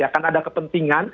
karena ada kepentingan